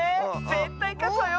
ぜったいかつわよ！